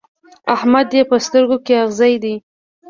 احمد يې په سترګو کې اغزی دی.